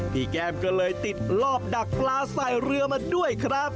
แก้มก็เลยติดรอบดักปลาใส่เรือมาด้วยครับ